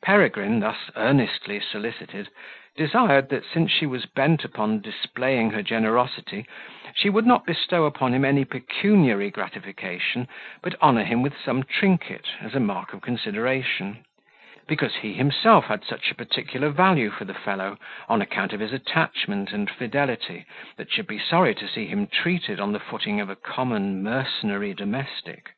Peregrine, thus earnestly solicited, desired, that since she was bent upon displaying her generosity, she would not bestow upon him any pecuniary gratification, but honour him with some trinket, as a mark of consideration; because he himself had such a particular value for the fellow, on account of his attachment and fidelity, that he should be sorry to see him treated on the footing of a common mercenary domestic.